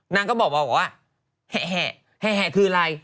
นางก็บอกมาบอกว่าแห่คืออะไร